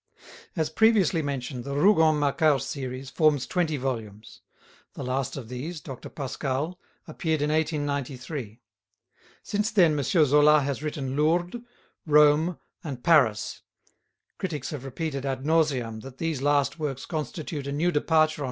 As previously mentioned, the Rougon Macquart series forms twenty volumes. The last of these, "Dr. Pascal," appeared in 1893. Since then M. Zola has written "Lourdes," "Rome," and "Paris." Critics have repeated ad nauseam that these last works constitute a new departure on M.